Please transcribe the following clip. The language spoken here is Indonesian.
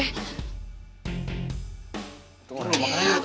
tunggu dulu makan aja